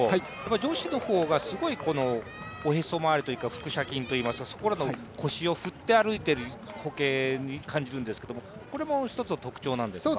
女子の方がすごいおへそ周りというか腹斜筋そこらの腰を振って歩いているような歩型に感じるんですけど、これも一つの特徴なんですか？